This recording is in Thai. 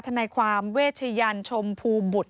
ทนายความเวชยันชมพูบุตร